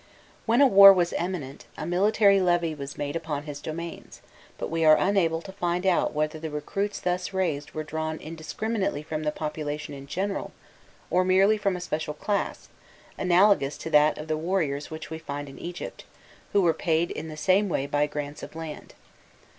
When a war was imminent, a military levy was made upon his domains, but we are unable to find out whether the recruits thus raised were drawn indiscriminately from the population in general, or merely from a special class, analogous to that of the warriors which we find in Egypt, who were paid in the same way by grants of land.